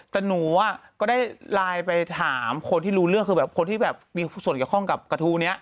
แต่หนูก็ได้ไลน์ไปถามคนที่รู้เรื่องคือแบบคนที่แบบมีส่วนเกี่ยวข้องกับกระทู้นี้